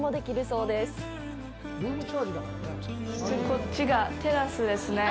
そして、こっちがテラスですね。